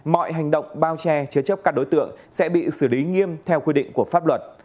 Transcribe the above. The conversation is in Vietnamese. mọi hành động bao che chứa chấp các đối tượng sẽ bị xử lý nghiêm theo quy định của pháp luật